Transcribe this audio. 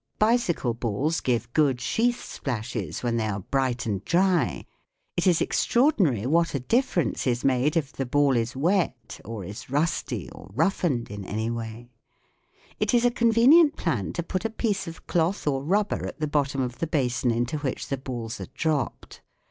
Bicycle balls give good sheath splashes when they are bright and dry : it is extraordinary what a difference is made if the ball is wet, or is rusty, or roughened SOUNDS OF THE TOWN 73 in any way. It is a convenient plan to put a piece of cloth or rubber at the bottom of the basin into which the balls are dropped.